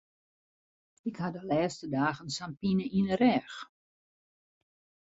Ik ha de lêste dagen sa'n pine yn de rêch.